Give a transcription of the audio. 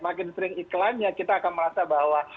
makin sering iklannya kita akan merasa bahwa